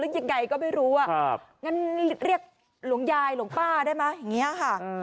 หรือยังไงก็ไม่รู้เรียกหลวงยายหรือหลวงป้าได้ไหม